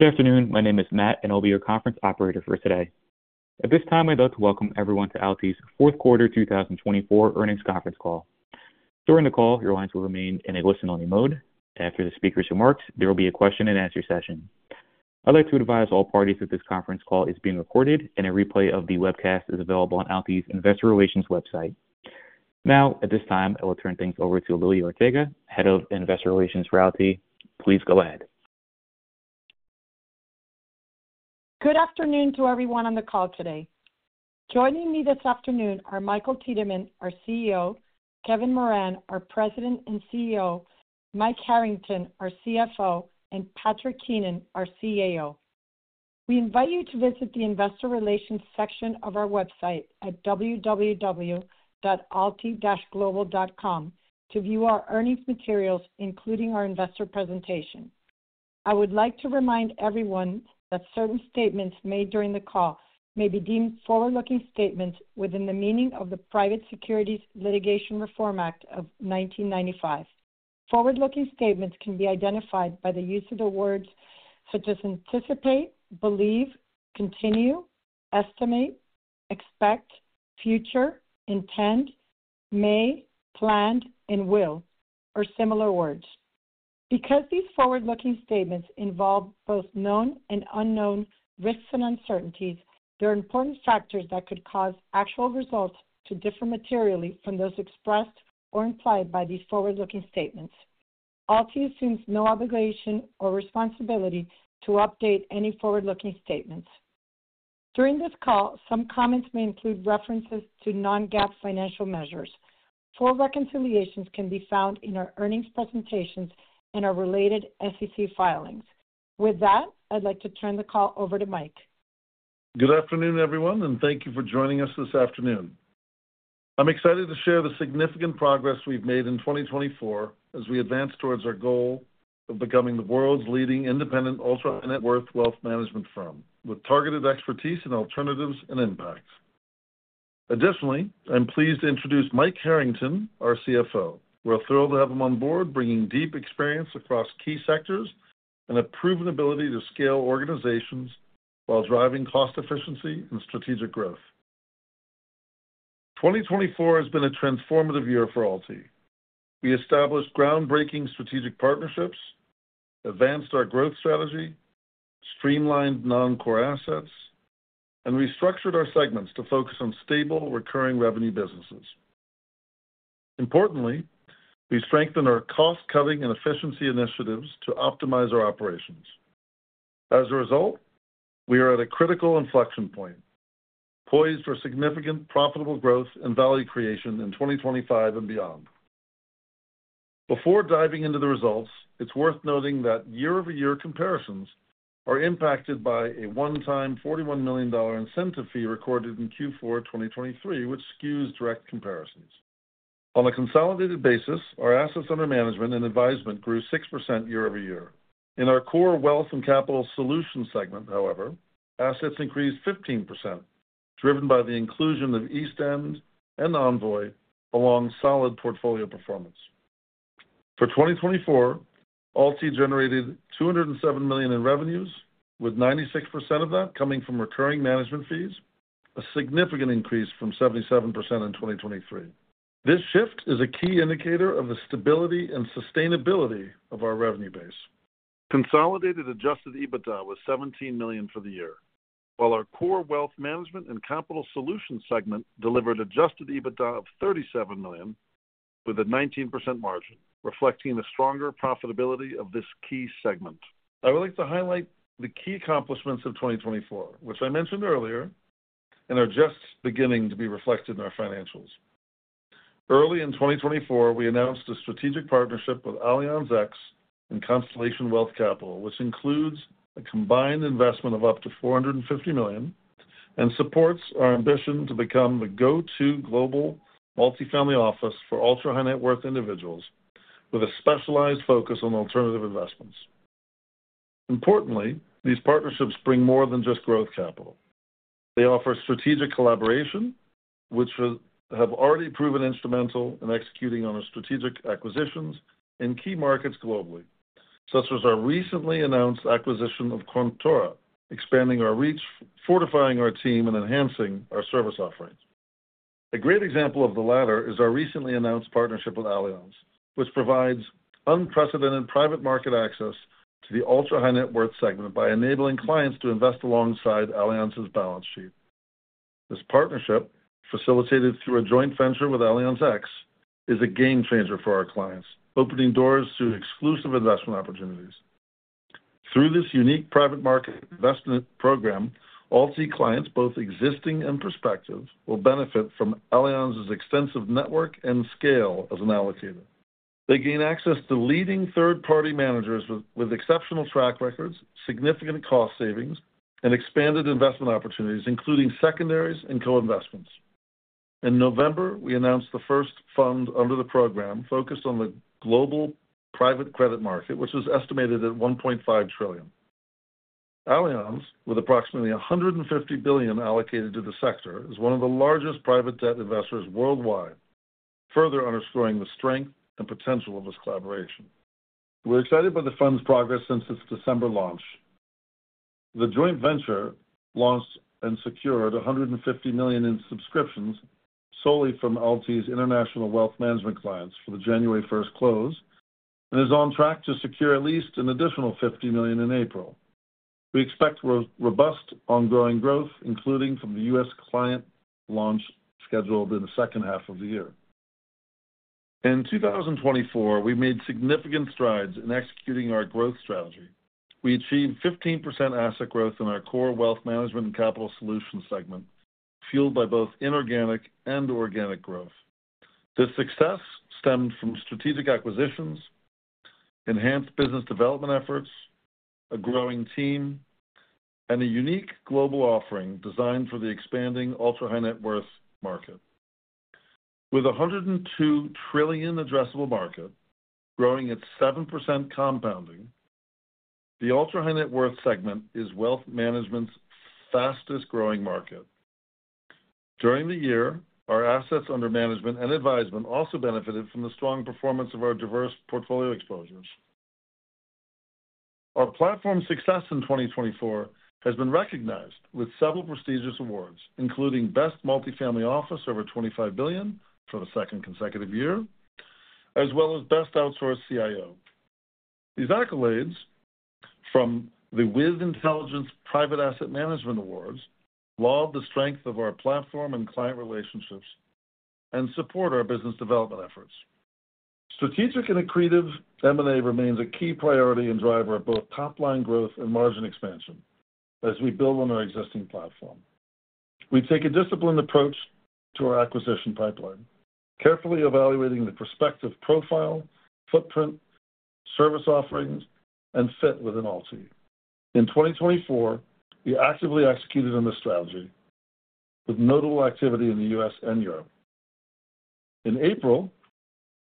Good afternoon. My name is Matt, and I'll be your conference operator for today. At this time, I'd like to welcome everyone to AlTi's fourth quarter 2024 earnings conference call. During the call, your lines will remain in a listen-only mode. After the speaker's remarks, there will be a question-and-answer session. I'd like to advise all parties that this conference call is being recorded, and a replay of the webcast is available on AlTi's Investor Relations website. Now, at this time, I will turn things over to Lily Arteaga, Head of Investor Relations for AlTi. Please go ahead. Good afternoon to everyone on the call today. Joining me this afternoon are Michael Tiedemann, our CEO; Kevin Moran, our President and COO; Mike Harrington, our CFO; and Patrick Keenan, our CAO. We invite you to visit the Investor Relations section of our website at www.altiglobal.com to view our earnings materials, including our investor presentation. I would like to remind everyone that certain statements made during the call may be deemed forward-looking statements within the meaning of the Private Securities Litigation Reform Act of 1995. Forward-looking statements can be identified by the use of the words such as anticipate, believe, continue, estimate, expect, future, intend, may, planned, and will, or similar words. Because these forward-looking statements involve both known and unknown risks and uncertainties, there are important factors that could cause actual results to differ materially from those expressed or implied by these forward-looking statements. AlTi assumes no obligation or responsibility to update any forward-looking statements. During this call, some comments may include references to non-GAAP financial measures. Full reconciliations can be found in our earnings presentations and our related SEC filings. With that, I'd like to turn the call over to Mike. Good afternoon, everyone, and thank you for joining us this afternoon. I'm excited to share the significant progress we've made in 2024 as we advance towards our goal of becoming the world's leading independent ultra-high-net-worth wealth management firm, with targeted expertise in alternatives and impact. Additionally, I'm pleased to introduce Mike Harrington, our CFO. We're thrilled to have him on board, bringing deep experience across key sectors and a proven ability to scale organizations while driving cost efficiency and strategic growth. 2024 has been a transformative year for AlTi. We established groundbreaking strategic partnerships, advanced our growth strategy, streamlined non-core assets, and restructured our segments to focus on stable, recurring revenue businesses. Importantly, we strengthened our cost-cutting and efficiency initiatives to optimize our operations. As a result, we are at a critical inflection point, poised for significant profitable growth and value creation in 2025 and beyond. Before diving into the results, it's worth noting that year-over-year comparisons are impacted by a one-time $41 million incentive fee recorded in Q4 2023, which skews direct comparisons. On a consolidated basis, our assets under management and advisement grew 6% year-over-year. In our core wealth and capital solutions segment, however, assets increased 15%, driven by the inclusion of East End and Envoi along solid portfolio performance. For 2024, AlTi generated $207 million in revenues, with 96% of that coming from recurring management fees, a significant increase from 77% in 2023. This shift is a key indicator of the stability and sustainability of our revenue base. Consolidated adjusted EBITDA was $17 million for the year, while our core wealth management and capital solutions segment delivered adjusted EBITDA of $37 million, with a 19% margin, reflecting the stronger profitability of this key segment. I would like to highlight the key accomplishments of 2024, which I mentioned earlier, and are just beginning to be reflected in our financials. Early in 2024, we announced a strategic partnership with Allianz X and Constellation Wealth Capital, which includes a combined investment of up to $450 million and supports our ambition to become the go-to global multifamily office for ultra-high-net-worth individuals, with a specialized focus on alternative investments. Importantly, these partnerships bring more than just growth capital. They offer strategic collaboration, which has already proven instrumental in executing on our strategic acquisitions in key markets globally, such as our recently announced acquisition of Kontora, expanding our reach, fortifying our team, and enhancing our service offerings. A great example of the latter is our recently announced partnership with Allianz, which provides unprecedented private market access to the ultra-high-net-worth segment by enabling clients to invest alongside Allianz's balance sheet. This partnership, facilitated through a joint venture with Allianz X, is a game changer for our clients, opening doors to exclusive investment opportunities. Through this unique private market investment program, AlTi clients, both existing and prospective, will benefit from Allianz's extensive network and scale as an allocator. They gain access to leading third-party managers with exceptional track records, significant cost savings, and expanded investment opportunities, including secondaries and co-investments. In November, we announced the first fund under the program focused on the global private credit market, which was estimated at $1.5 trillion. Allianz, with approximately $150 billion allocated to the sector, is one of the largest private debt investors worldwide, further underscoring the strength and potential of this collaboration. We're excited by the fund's progress since its December launch. The joint venture launched and secured $150 million in subscriptions solely from AlTi's international wealth management clients for the January 1 close, and is on track to secure at least an additional $50 million in April. We expect robust ongoing growth, including from the U.S. client launch scheduled in the second half of the year. In 2024, we made significant strides in executing our growth strategy. We achieved 15% asset growth in our core wealth management and capital solutions segment, fueled by both inorganic and organic growth. This success stemmed from strategic acquisitions, enhanced business development efforts, a growing team, and a unique global offering designed for the expanding ultra-high-net-worth market. With a $102 trillion addressable market, growing at 7% compounding, the ultra-high-net-worth segment is wealth management's fastest-growing market. During the year, our assets under management and advisement also benefited from the strong performance of our diverse portfolio exposures. Our platform's success in 2024 has been recognized with several prestigious awards, including Best Multifamily Office over $25 billion for the second consecutive year, as well as Best Outsourced CIO. These accolades, from the With Intelligence Private Asset Management Awards, laud the strength of our platform and client relationships and support our business development efforts. Strategic and accretive M&A remains a key priority and driver of both top-line growth and margin expansion as we build on our existing platform. We take a disciplined approach to our acquisition pipeline, carefully evaluating the prospective profile, footprint, service offerings, and fit within AlTi. In 2024, we actively executed on this strategy, with notable activity in the U.S. and Europe. In April,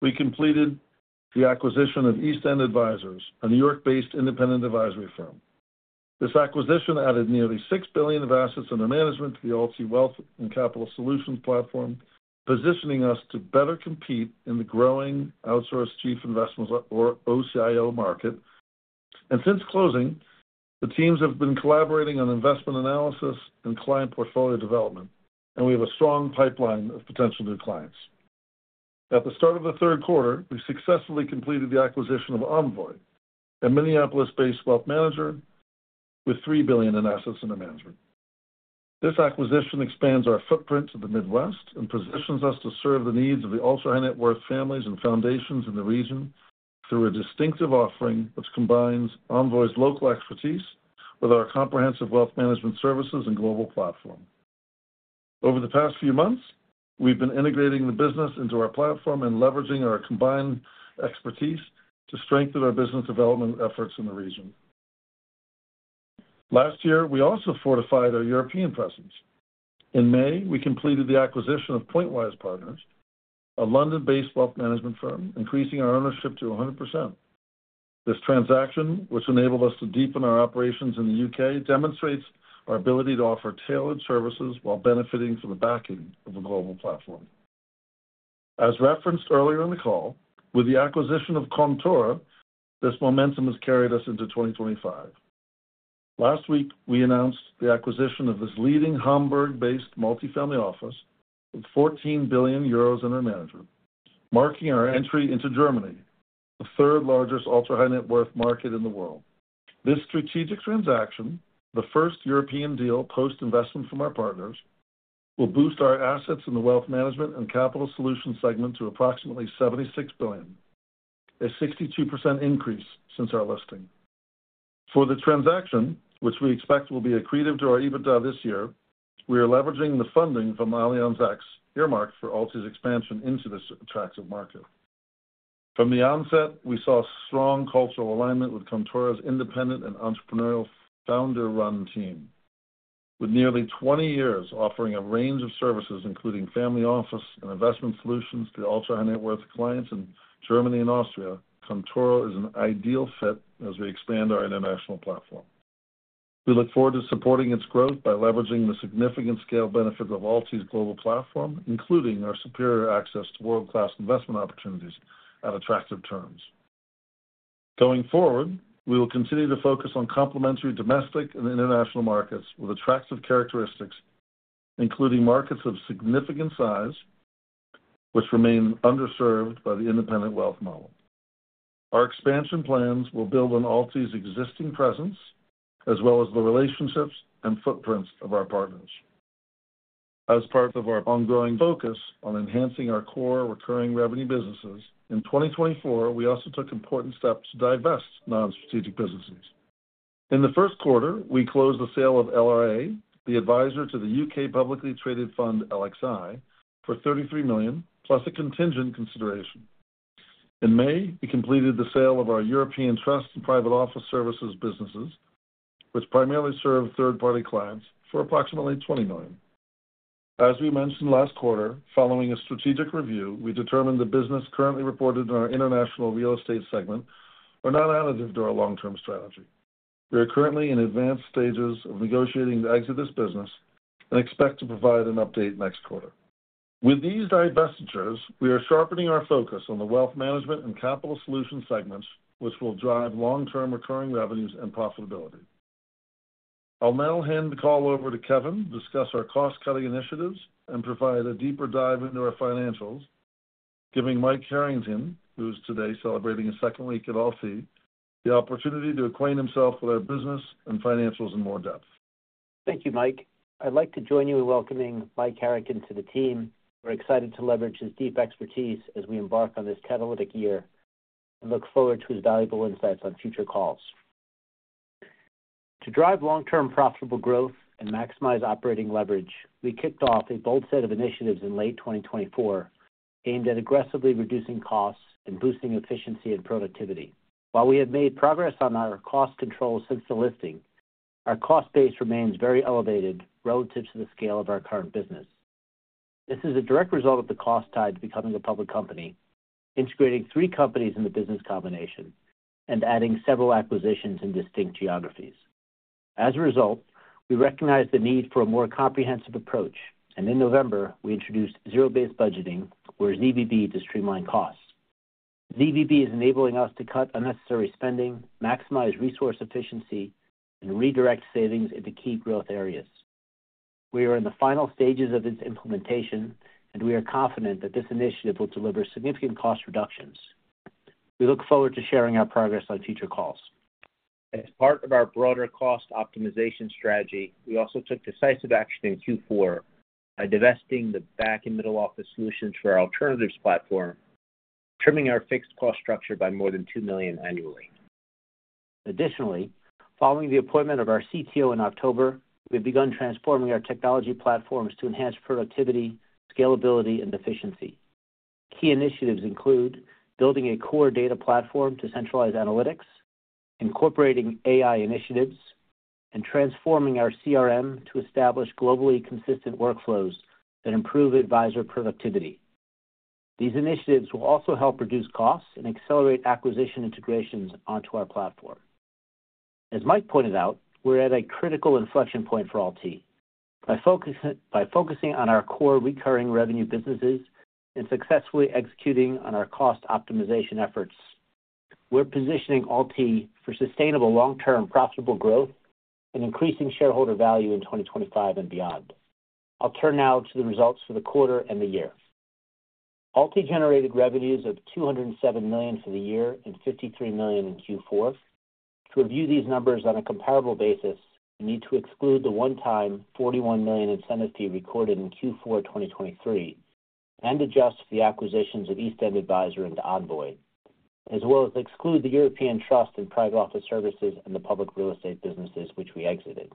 we completed the acquisition of East End Advisors, a New York-based independent advisory firm. This acquisition added nearly $6 billion of assets under management to the AlTi Wealth and Capital Solutions platform, positioning us to better compete in the growing Outsourced Chief Investment Officer, or OCIO, market. Since closing, the teams have been collaborating on investment analysis and client portfolio development, and we have a strong pipeline of potential new clients. At the start of the third quarter, we successfully completed the acquisition of Envoi, a Minneapolis-based wealth manager with $3 billion in assets under management. This acquisition expands our footprint to the Midwest and positions us to serve the needs of the ultra-high-net-worth families and foundations in the region through a distinctive offering which combines Envoi's local expertise with our comprehensive wealth management services and global platform. Over the past few months, we've been integrating the business into our platform and leveraging our combined expertise to strengthen our business development efforts in the region. Last year, we also fortified our European presence. In May, we completed the acquisition of Pointwise Partners, a London-based wealth management firm, increasing our ownership to 100%. This transaction, which enabled us to deepen our operations in the U.K., demonstrates our ability to offer tailored services while benefiting from the backing of a global platform. As referenced earlier in the call, with the acquisition of Kontora, this momentum has carried us into 2025. Last week, we announced the acquisition of this leading Hamburg-based multifamily office with $14 billion under management, marking our entry into Germany, the third-largest ultra-high-net-worth market in the world. This strategic transaction, the first European deal post-investment from our partners, will boost our assets in the wealth management and capital solutions segment to approximately $76 billion, a 62% increase since our listing. For the transaction, which we expect will be accretive to our EBITDA this year, we are leveraging the funding from Allianz X earmarked for AlTi's expansion into this attractive market. From the onset, we saw strong cultural alignment with Kontora's independent and entrepreneurial founder-run team. With nearly 20 years offering a range of services, including family office and investment solutions to the ultra-high-net-worth clients in Germany and Austria, Kontora is an ideal fit as we expand our international platform. We look forward to supporting its growth by leveraging the significant scale benefits of AlTi's global platform, including our superior access to world-class investment opportunities at attractive terms. Going forward, we will continue to focus on complementary domestic and international markets with attractive characteristics, including markets of significant size which remain underserved by the independent wealth model. Our expansion plans will build on AlTi's existing presence, as well as the relationships and footprints of our partners. As part of our ongoing focus on enhancing our core recurring revenue businesses, in 2024, we also took important steps to divest non-strategic businesses. In the first quarter, we closed the sale of LRA, the advisor to the U.K. publicly traded fund LXI, for $33 million, plus a contingent consideration. In May, we completed the sale of our European trust and private office services businesses, which primarily serve third-party clients, for approximately $20 million. As we mentioned last quarter, following a strategic review, we determined the business currently reported in our International Real Estate segment are not additive to our long-term strategy. We are currently in advanced stages of negotiating the exit of this business and expect to provide an update next quarter. With these divestitures, we are sharpening our focus on the wealth management and capital solutions segments, which will drive long-term recurring revenues and profitability. I'll now hand the call over to Kevin to discuss our cost-cutting initiatives and provide a deeper dive into our financials, giving Mike Harrington, who is today celebrating his second week at AlTi, the opportunity to acquaint himself with our business and financials in more depth. Thank you, Mike. I'd like to join you in welcoming Mike Harrington to the team. We're excited to leverage his deep expertise as we embark on this catalytic year and look forward to his valuable insights on future calls. To drive long-term profitable growth and maximize operating leverage, we kicked off a bold set of initiatives in late 2024 aimed at aggressively reducing costs and boosting efficiency and productivity. While we have made progress on our cost control since the listing, our cost base remains very elevated relative to the scale of our current business. This is a direct result of the cost tied to becoming a public company, integrating three companies in the business combination and adding several acquisitions in distinct geographies. As a result, we recognize the need for a more comprehensive approach, and in November, we introduced zero-based budgeting, or ZBB, to streamline costs. ZBB is enabling us to cut unnecessary spending, maximize resource efficiency, and redirect savings into key growth areas. We are in the final stages of its implementation, and we are confident that this initiative will deliver significant cost reductions. We look forward to sharing our progress on future calls. As part of our broader cost optimization strategy, we also took decisive action in Q4 by divesting the back-and-middle office solutions for our alternatives platform, trimming our fixed cost structure by more than $2 million annually. Additionally, following the appointment of our CTO in October, we have begun transforming our technology platforms to enhance productivity, scalability, and efficiency. Key initiatives include building a core data platform to centralize analytics, incorporating AI initiatives, and transforming our CRM to establish globally consistent workflows that improve advisor productivity. These initiatives will also help reduce costs and accelerate acquisition integrations onto our platform. As Mike pointed out, we're at a critical inflection point for AlTi. By focusing on our core recurring revenue businesses and successfully executing on our cost optimization efforts, we're positioning AlTi for sustainable long-term profitable growth and increasing shareholder value in 2025 and beyond. I'll turn now to the results for the quarter and the year. AlTi generated revenues of $207 million for the year and $53 million in Q4. To review these numbers on a comparable basis, we need to exclude the one-time $41 million incentive fee recorded in Q4 2023 and adjust for the acquisitions of East End Advisors and Envoi, as well as exclude the European trust and private office services and the public real estate businesses which we exited.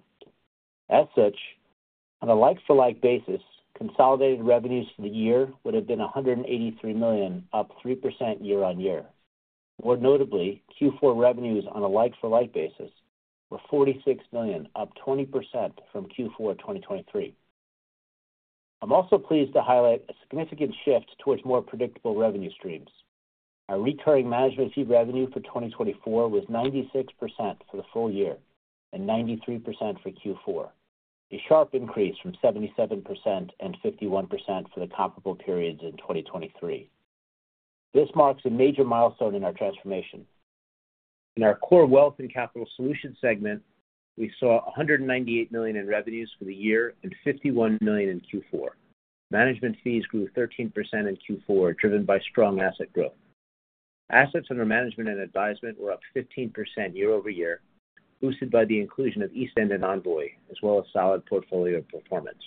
As such, on a like-for-like basis, consolidated revenues for the year would have been $183 million, up 3% year-on-year. More notably, Q4 revenues on a like-for-like basis were $46 million, up 20% from Q4 2023. I'm also pleased to highlight a significant shift towards more predictable revenue streams. Our recurring management fee revenue for 2024 was 96% for the full year and 93% for Q4, a sharp increase from 77% and 51% for the comparable periods in 2023. This marks a major milestone in our transformation. In our core wealth and capital solutions segment, we saw $198 million in revenues for the year and $51 million in Q4. Management fees grew 13% in Q4, driven by strong asset growth. Assets under management and advisement were up 15% year-over-year, boosted by the inclusion of East End and Envoi, as well as solid portfolio performance.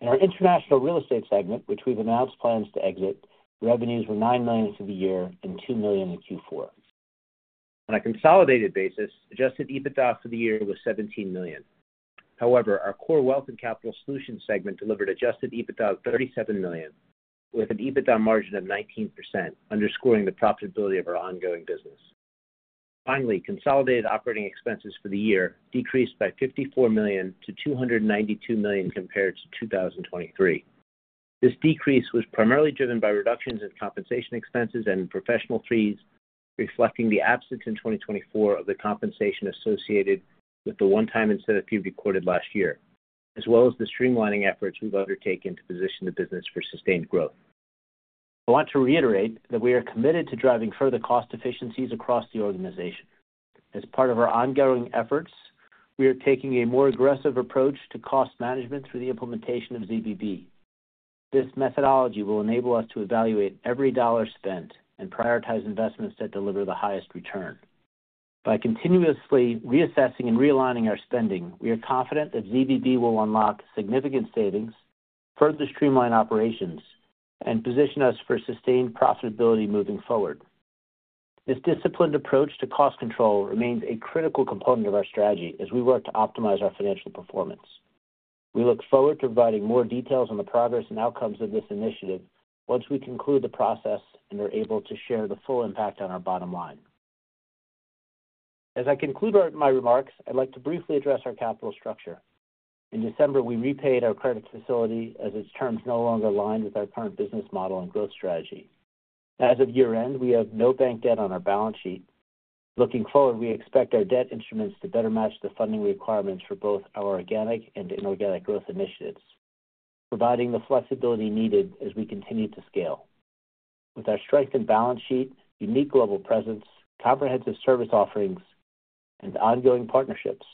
In our International Real Estate segment, which we've announced plans to exit, revenues were $9 million for the year and $2 million in Q4. On a consolidated basis, adjusted EBITDA for the year was $17 million. However, our core wealth and capital solutions segment delivered adjusted EBITDA of $37 million, with an EBITDA margin of 19%, underscoring the profitability of our ongoing business. Finally, consolidated operating expenses for the year decreased by $54 million to $292 million compared to 2023. This decrease was primarily driven by reductions in compensation expenses and professional fees, reflecting the absence in 2024 of the compensation associated with the one-time incentive fee recorded last year, as well as the streamlining efforts we have undertaken to position the business for sustained growth. I want to reiterate that we are committed to driving further cost efficiencies across the organization. As part of our ongoing efforts, we are taking a more aggressive approach to cost management through the implementation of ZBB. This methodology will enable us to evaluate every dollar spent and prioritize investments that deliver the highest return. By continuously reassessing and realigning our spending, we are confident that ZBB will unlock significant savings, further streamline operations, and position us for sustained profitability moving forward. This disciplined approach to cost control remains a critical component of our strategy as we work to optimize our financial performance. We look forward to providing more details on the progress and outcomes of this initiative once we conclude the process and are able to share the full impact on our bottom line. As I conclude my remarks, I'd like to briefly address our capital structure. In December, we repaid our credit facility as its terms no longer aligned with our current business model and growth strategy. As of year-end, we have no bank debt on our balance sheet. Looking forward, we expect our debt instruments to better match the funding requirements for both our organic and inorganic growth initiatives, providing the flexibility needed as we continue to scale. With our strengthened balance sheet, unique global presence, comprehensive service offerings, and ongoing partnerships,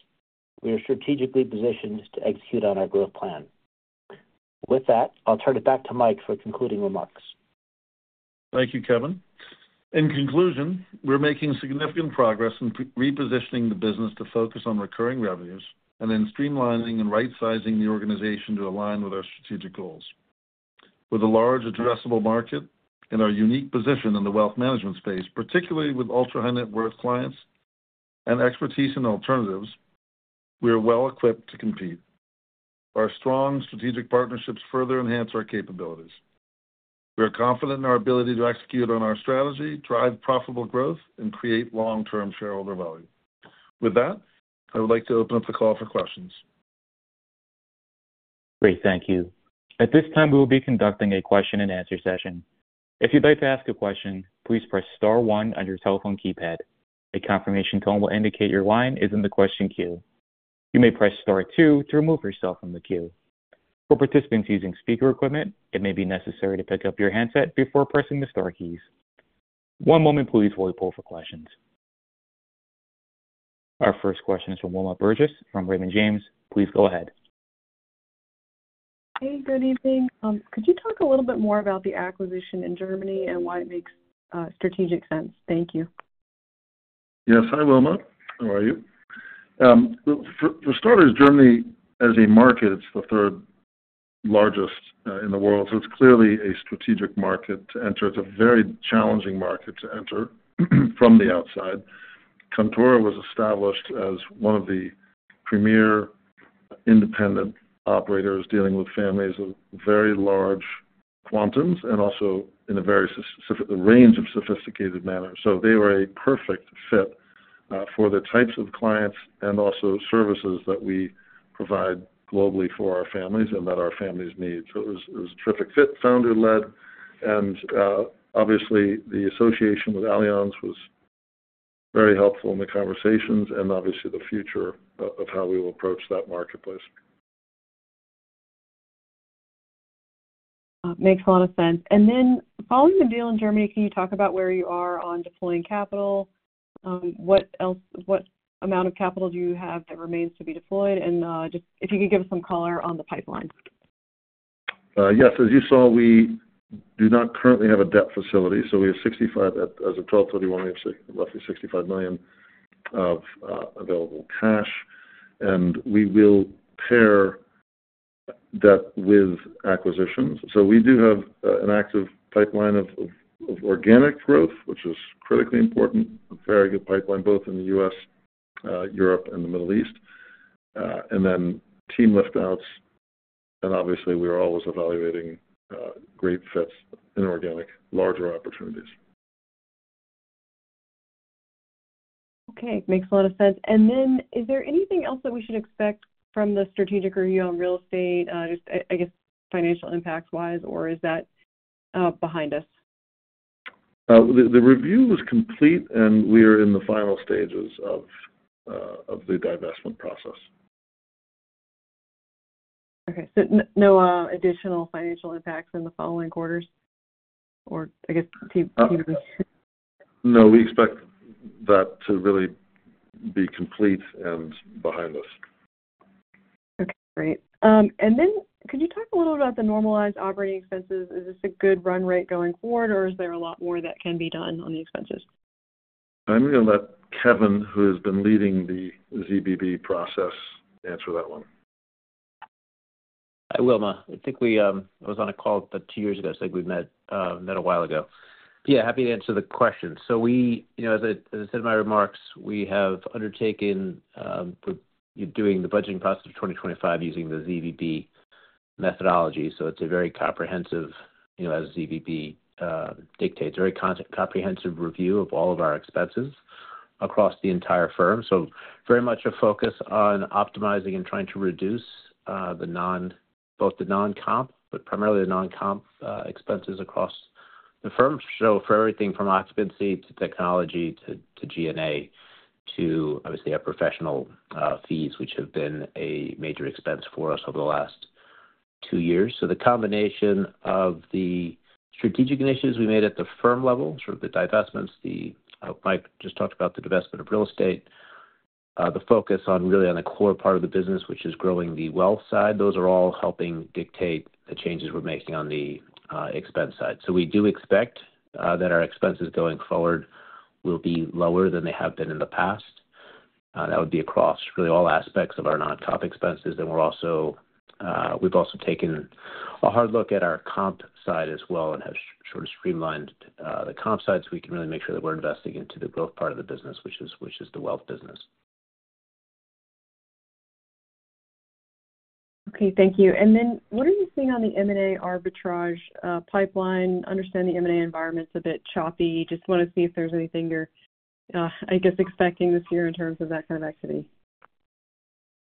we are strategically positioned to execute on our growth plan. With that, I'll turn it back to Mike for concluding remarks. Thank you, Kevin. In conclusion, we're making significant progress in repositioning the business to focus on recurring revenues and then streamlining and right-sizing the organization to align with our strategic goals. With a large, addressable market and our unique position in the wealth management space, particularly with ultra-high-net-worth clients and expertise in alternatives, we are well-equipped to compete. Our strong strategic partnerships further enhance our capabilities. We are confident in our ability to execute on our strategy, drive profitable growth, and create long-term shareholder value. With that, I would like to open up the call for questions. Great, thank you. At this time, we will be conducting a question-and-answer session. If you'd like to ask a question, please press Star 1 on your telephone keypad. A confirmation tone will indicate your line is in the question queue. You may press Star 2 to remove yourself from the queue. For participants using speaker equipment, it may be necessary to pick up your handset before pressing the Star keys. One moment, please, while we pull for questions. Our first question is from Wilma Burdis from Raymond James. Please go ahead. Hey, good evening. Could you talk a little bit more about the acquisition in Germany and why it makes strategic sense? Thank you. Yes, hi Wilma. How are you? For starters, Germany, as a market, it's the third largest in the world, so it's clearly a strategic market to enter. It's a very challenging market to enter from the outside. Kontora was established as one of the premier independent operators dealing with families of very large quantums and also in a very range of sophisticated manner. They were a perfect fit for the types of clients and also services that we provide globally for our families and that our families need. It was a terrific fit, founder-led, and obviously, the association with Allianz was very helpful in the conversations and obviously the future of how we will approach that marketplace. Makes a lot of sense. Following the deal in Germany, can you talk about where you are on deploying capital? What amount of capital do you have that remains to be deployed? If you could give us some color on the pipeline. Yes, as you saw, we do not currently have a debt facility. We have, as of 12/31, roughly $65 million of available cash, and we will pair that with acquisitions. We do have an active pipeline of organic growth, which is critically important, a very good pipeline both in the U.S., Europe, and the Middle East, and then team liftouts. Obviously, we are always evaluating great fits in organic, larger opportunities. Okay, makes a lot of sense. Is there anything else that we should expect from the strategic review on real estate, just, I guess, financial impact-wise, or is that behind us? The review is complete, and we are in the final stages of the divestment process. Okay, so no additional financial impacts in the following quarters or, I guess, team? No, we expect that to really be complete and behind us. Okay, great. Could you talk a little about the normalized operating expenses? Is this a good run rate going forward, or is there a lot more that can be done on the expenses? I'm going to let Kevin, who has been leading the ZBB process, answer that one. Hi, Wilma. I think I was on a call about two years ago. I think we met a while ago. Yeah, happy to answer the question. As I said in my remarks, we have undertaken doing the budgeting process of 2025 using the ZBB methodology. It is a very comprehensive, as ZBB dictates, very comprehensive review of all of our expenses across the entire firm. There is very much a focus on optimizing and trying to reduce both the non-comp, but primarily the non-comp expenses across the firm. For everything from occupancy to technology to G&A to, obviously, our professional fees, which have been a major expense for us over the last two years. The combination of the strategic initiatives we made at the firm level, sort of the divestments, Mike just talked about the divestment of real estate, the focus on really on the core part of the business, which is growing the wealth side, those are all helping dictate the changes we're making on the expense side. We do expect that our expenses going forward will be lower than they have been in the past. That would be across really all aspects of our non-comp expenses. We have also taken a hard look at our comp side as well and have sort of streamlined the comp side so we can really make sure that we're investing into the growth part of the business, which is the wealth business. Okay, thank you. What are you seeing on the M&A arbitrage pipeline? Understand the M&A environment's a bit choppy. Just want to see if there's anything you're, I guess, expecting this year in terms of that kind of activity.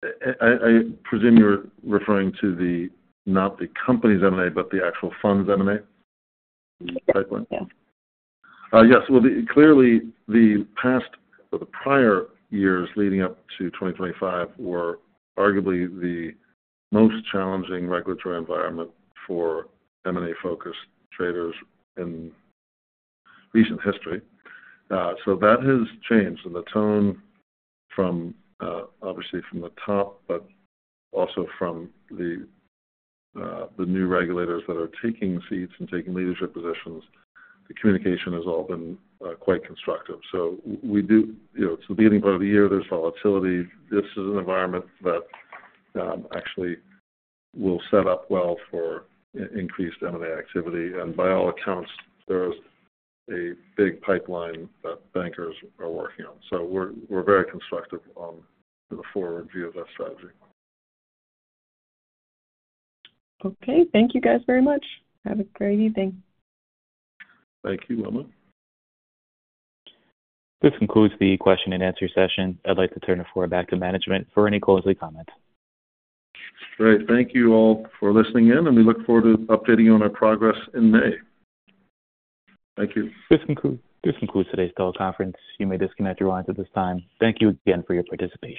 I presume you're referring to not the company's M&A, but the actual funds M&A pipeline? Yes. Yes. Clearly, the past or the prior years leading up to 2025 were arguably the most challenging regulatory environment for M&A-focused traders in recent history. That has changed. The tone from, obviously, from the top, but also from the new regulators that are taking seats and taking leadership positions, the communication has all been quite constructive. It is the beginning part of the year. There is volatility. This is an environment that actually will set up well for increased M&A activity. By all accounts, there is a big pipeline that bankers are working on. We are very constructive on the forward view of that strategy. Okay, thank you guys very much. Have a great evening. Thank you, Wilma. This concludes the question-and-answer session. I would like to turn the floor back to management for any closing comments. Great. Thank you all for listening in, and we look forward to updating you on our progress in May. Thank you. This concludes today's teleconference. You may disconnect your lines at this time. Thank you again for your participation.